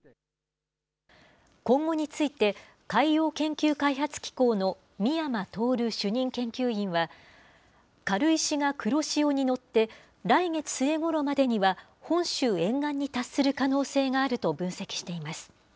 今後について、海洋研究開発機構の美山透主任研究員は、軽石が黒潮に乗って、来月末ごろまでには本州沿岸に達する可能性があると分析しています。